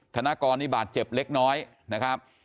ธนากรนี่บาดเจ็บเล็กน้อยนะครับ